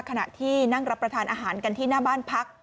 ขณะที่นั่งรับประทานอาหารกันที่หน้าบ้านพัก